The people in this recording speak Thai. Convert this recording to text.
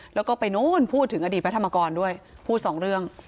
แล้วก็ไปโน้นพูดถึงอดีตพระธรรมกรด้วยพูดสองเรื่อง